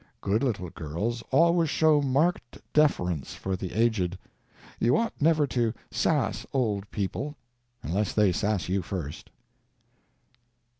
Good little girls always show marked deference for the aged. You ought never to "sass" old people unless they "sass" you first.